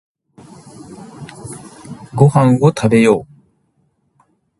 朝ごはんを食べよう。